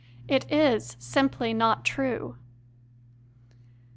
It is simply not true.